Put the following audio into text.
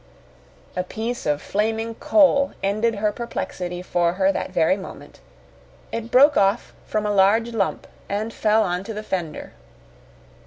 A piece of flaming coal ended her perplexity for her that very moment. It broke off from a large lump and fell on to the fender.